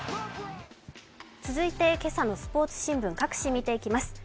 続いて今朝のスポーツ新聞、各紙を見ていきます。